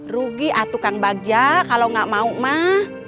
rugi atuh kang bagja kalau gak mau mah